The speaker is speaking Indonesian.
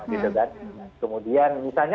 gitu kan kemudian misalnya